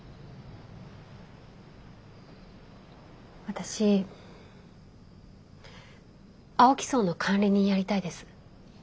私青木荘の管理人やりたいです。